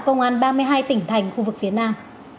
công an ba mươi hai tỉnh thành khu vực phía nam